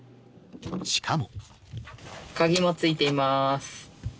しかも。